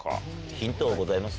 ヒントございます？